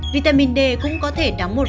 vitamin d cũng có thể đáng một phần